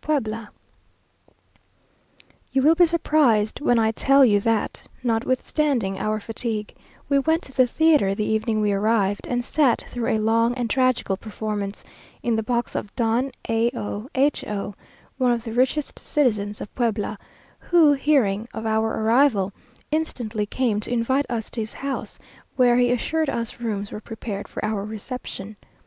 PUEBLA. You will be surprised when I tell you that, notwithstanding our fatigue, we went to the theatre the evening we arrived, and sat through a long and tragical performance, in the box of Don A o H o, one of the richest citizens of Puebla, who, hearing of our arrival, instantly came to invite us to his house, where he assured us rooms were prepared for our reception.